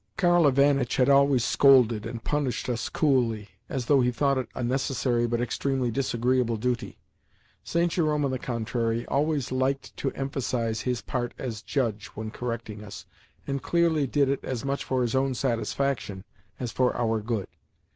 Karl Ivanitch had always scolded and punished us coolly, as though he thought it a necessary, but extremely disagreeable, duty. St. Jerome, on the contrary, always liked to emphasise his part as judge when correcting us, and clearly did it as much for his own satisfaction as for our good.